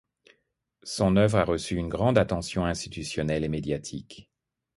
Son œuvre a reçu une grande attention institutionnelle et médiatique.